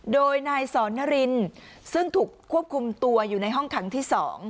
โดยนายสอนนารินซึ่งถูกควบคุมตัวอยู่ในห้องขังที่๒